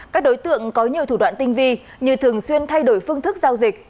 các đối tượng có nhiều thủ đoạn tinh vi như thường xuyên thay đổi phương thức giao dịch